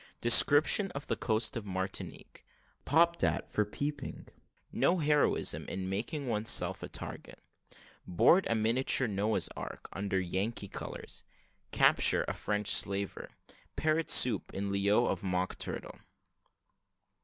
DESCRIPTION OF THE COAST OF MARTINIQUE POPPED AT FOR PEEPING NO HEROISM IN MAKING ONESELF A TARGET BOARD A MINIATURE NOAH'S ARK, UNDER YANKEE COLOURS CAPTURE A FRENCH SLAVER PARROT SOUP IN LIEU OF MOCK TURTLE.